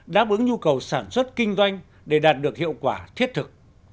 đáp ứng nhu cầu sản xuất kinh doanh để đạt được hiệu quả thiết thực